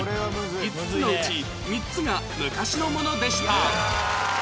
５つのうち３つが昔のものでした